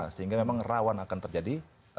sehingga memang rawan akan terjadi